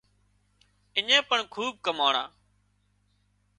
اڃين پڻ کوٻ ڪماڻا